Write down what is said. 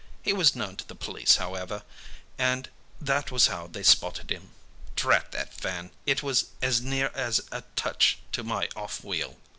He was known to the police however, and that was how they spotted him. Drat that van! It was as near as a touch to my off wheel.